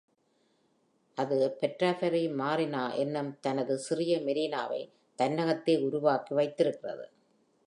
அது Portaferry Marina என்னும் தனது சிறிய மெரினாவை தன்னகத்தே உருவாக்கி வைத்திருக்கிறது.